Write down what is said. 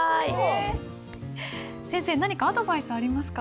先生何かアドバイスありますか？